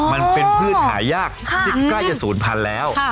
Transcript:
มันเป็นพืชหายากที่ใกล้จะ๐พันแล้ว